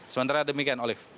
sementara demikian olive